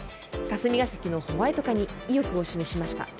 霞が関のホワイト化に意欲を示しました。